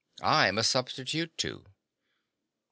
I'm a substitute too."